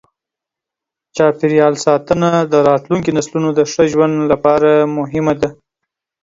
چاپېریال ساتنه د راتلونکو نسلونو د ښه ژوند لپاره مهمه ده.